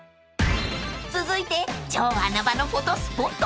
［続いて超穴場のフォトスポット］